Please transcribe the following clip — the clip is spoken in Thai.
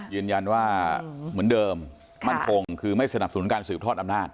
ยืนยันว่าเหมือนเดิมมั่นคงคือไม่สนับสนุนการสืบทอดอำนาจ